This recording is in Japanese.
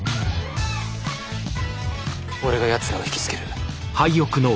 俺がやつらを引き付ける。